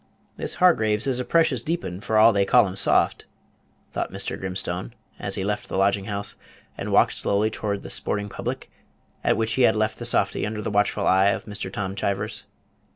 "This Hargraves is a precious deep 'un, for all they call him soft," thought Mr. Grimstone, Page 188 as he left the lodging house, and walked slowly toward the sporting public at which he had left the softy under the watchful eye of Mr. Tom Chivers.